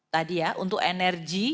tadi ya untuk energi